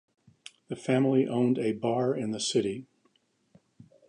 The family owned a bar in the city.